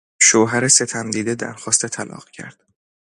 شوهر ستمدیده درخواست طلاق کرد.